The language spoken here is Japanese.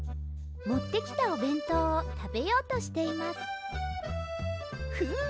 もってきたおべんとうをたべようとしていますフ！